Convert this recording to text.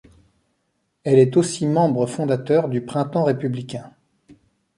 Elle est aussi membre fondateur du Printemps républicain.